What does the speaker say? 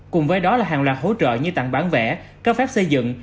cùng với đó là hàng loạt hỗ trợ như tặng bán vẽ cơ phép xây dựng